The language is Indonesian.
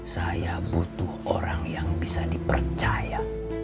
saya butuh orang yang bisa dipercaya